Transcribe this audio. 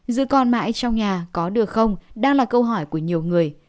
giữ con mãi trong nhà có được không đang là câu hỏi của nhiều người